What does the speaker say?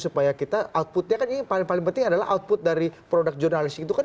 supaya kita outputnya kan ini paling paling penting adalah output dari produk jurnalis itu kan